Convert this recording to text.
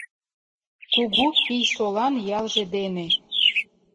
Кугу Пий-солан ялже дене